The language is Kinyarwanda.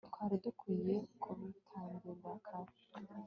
twari dukwiye kubitangira kare